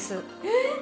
えっ！？